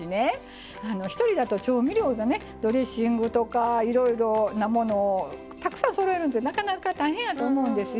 １人だと調味料がねドレッシングとかいろいろなものをたくさんそろえるのってなかなか大変やと思うんですよ。